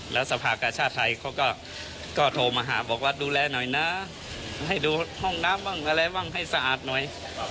แล้วสภากาชาติไทยเขาก็โทรมาหาบอกว่าดูแลหน่อยนะให้ดูห้องน้ำบ้างอะไรบ้างให้สะอาดหน่อย